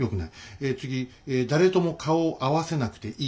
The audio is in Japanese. え次誰とも顔を合わせなくていい。